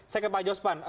saya ke pak jospan